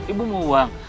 ibu mau uang